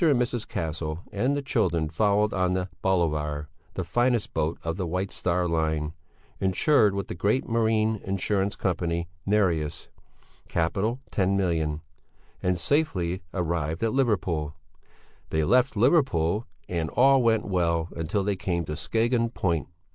and Mrs. Castle and the children followed on the Bolivar, the finest boat of the White Star Line, insured with the great Marine Insurance Company "Nereus" (Capital $10,000,000), and safely arrived at Liverpool. They left Liverpool and all went well until they came to Skagen Point.